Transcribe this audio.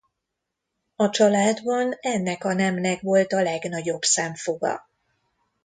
A családban ennek a nemnek volt a legnagyobb szemfoga.